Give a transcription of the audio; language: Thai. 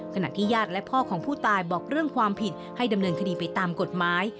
ขณะที่ญาติและพ่อของผู้ตายบอกเรื่องความผิดให้ดำเนินคดีไปตามกฎหมาย